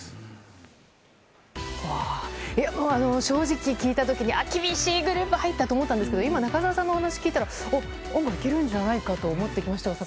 正直聞いた時に厳しいグループ入ったと思ったんですけど今、中澤さんのお話を聞いたら案外いけるんじゃないかと思ってきました。